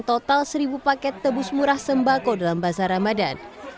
total seribu paket tebus murah sembako dalam bazar ramadan